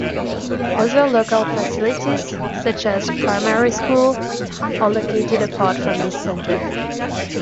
Other local facilities, such as primary schools, are located apart from this centre.